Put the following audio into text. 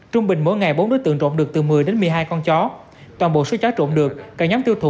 trung bình mỗi ngày bốn đối tượng trộm được từ một mươi đến một mươi hai con chó toàn bộ số chó trộn được cả nhóm tiêu thụ